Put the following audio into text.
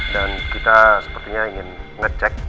dan kita sepertinya ingin ngecek